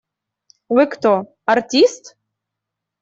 Вы кто? Артист?